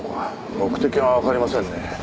目的がわかりませんね。